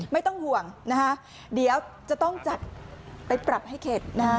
ไม่ต้องห่วงนะคะเดี๋ยวจะต้องจัดไปปรับให้เข็ดนะฮะ